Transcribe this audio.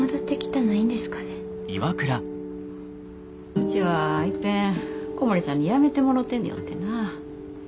うちはいっぺん小森さんに辞めてもろてんねよってな。